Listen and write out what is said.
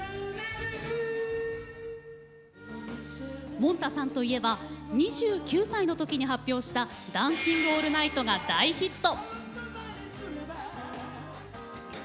もんたさんといえば２９歳の時に発表した「ダンシング・オールナイト」が大ヒット。